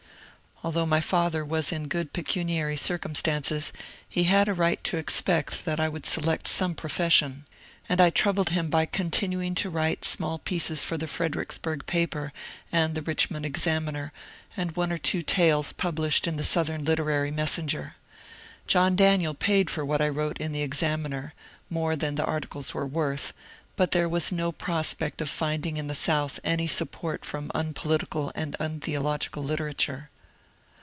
Although my father was in good pecuniary circumstances, he had a right to expect that I would select some profession. JOHN C. CALHOUN 71 and I troubled him by continuing to write small pieces for the Fredericksburg paper and the ^^ Richmond Examiner," and one or two tales published in the ^^ Southern Literary Messenger." John Daniel paid for what I wrote in the ^^ Ex aminer/'— more than the articles were worth, — but there was no prospect of finding in the South any support from unpolitical and untheological literature.